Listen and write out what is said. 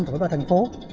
tổi vào thành phố